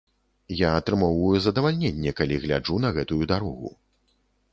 Я атрымоўваю задавальненне, калі гляджу на гэтую дарогу!